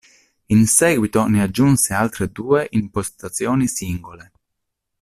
In seguito ne aggiunse altre due in postazioni singole.